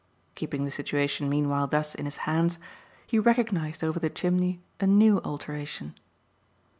Keeping the situation meanwhile thus in his hands he recognised over the chimney a new alteration.